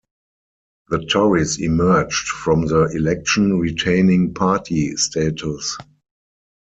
The Tories emerged from the election retaining party status.